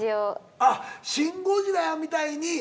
あっ「シン・ゴジラ」みたいに。